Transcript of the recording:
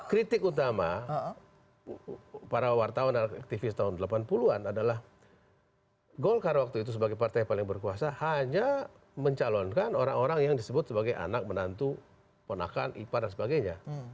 kritik utama para wartawan dan aktivis tahun delapan puluh an adalah golkar waktu itu sebagai partai paling berkuasa hanya mencalonkan orang orang yang disebut sebagai anak menantu ponakan ipar dan sebagainya